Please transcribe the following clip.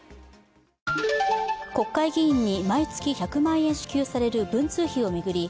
国会議員に毎月１００万円支給される文通費を巡り